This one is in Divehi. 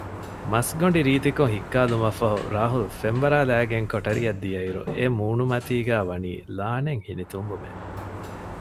މަސްގޮނޑި ރީތިކޮށް ހިއްކާލުމަށްފަހު ރާހުލް ފެންވަރާލައިގެން ކޮޓަރިއަށް ދިޔައިރު އެ މޫނުމަތީގައި ވަނީ ލާނެތް ހިނިތުންވުމެއް